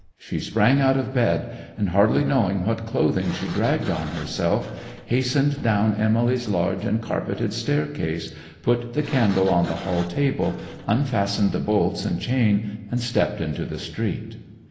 She sprang out of bed, and, hardly knowing what clothing she dragged on herself; hastened down Emily's large and carpeted staircase, put the candle on the hall table, unfastened the bolts and chain, and stepped into the street.